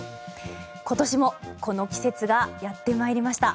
今年もこの季節がやってまいりました。